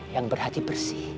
yang berhati bersih